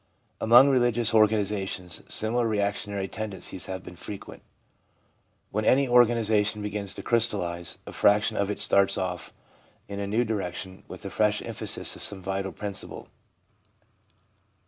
Among religious organisations, similar reactionary tendencies have been frequent. When any organisation begins to crystallise, a fraction of it starts off in a new direction with a fresh emphasis of some vital principle.